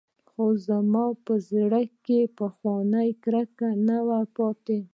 خو زما په زړه کښې پخوانۍ کرکه نه وه پاته.